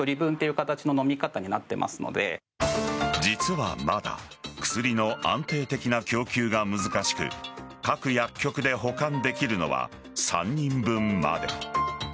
実はまだ薬の安定的な供給が難しく各薬局で保管できるのは３人分まで。